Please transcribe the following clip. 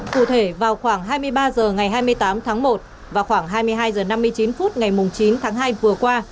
cụ thể vào khoảng hai mươi ba h ngày hai mươi tám tháng một và khoảng hai mươi hai h năm mươi chín phút ngày chín tháng hai vừa qua